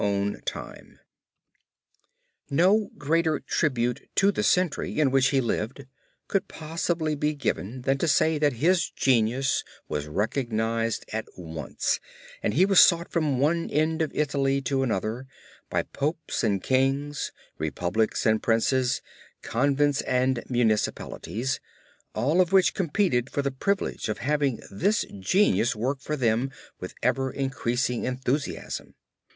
{opp144} ST. FRANCIS' MARRIAGE WITH POVERTY (GIOTTO, ASSISI) No greater tribute to the century in which he lived could possibly be given than to say that his genius was recognized at once, and he was sought from one end of Italy to another by Popes and Kings, Republics and Princes, Convents and Municipalities, all of which competed for the privilege of having this genius work for them with ever increasing enthusiasm.